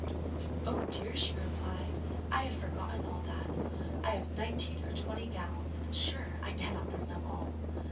'Oh dear!' she replied, 'I had forgotten all that. I have nineteen or twenty gowns, and sure, I cannot bring them all.